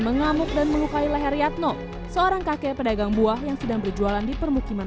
mengamuk dan melukai leher yatno seorang kakek pedagang buah yang sedang berjualan di permukiman